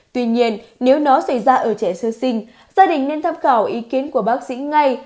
tuy nhiên nếu nó xảy ra ở trẻ sơ sinh gia đình nên tham khảo ý kiến của bác sĩ ngay